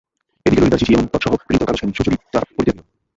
এ দিকে ললিতার চিঠি এবং তৎসহ প্রেরিত কাগজখানি সুচরিতা পড়িতে লাগিল।